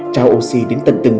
trao oxy đến tận từng nhà